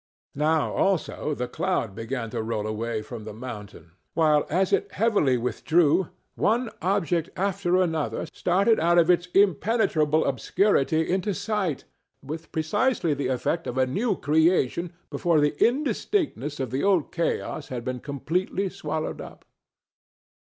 Now, also, the cloud began to roll away from the mountain, while, as it heavily withdrew, one object after another started out of its impenetrable obscurity into sight with precisely the effect of a new creation before the indistinctness of the old chaos had been completely swallowed up.